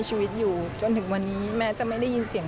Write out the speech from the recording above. สวัสดีครับทุกคน